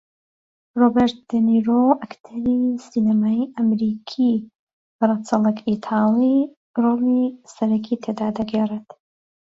رۆبێرت دێنیرۆ ئەکتەری سینەمایی ئەمریکی بە رەچەڵەک ئیتاڵی رۆڵی سەرەکی تێدا دەگێڕێت